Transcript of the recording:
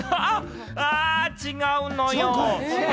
あ、違うのよ。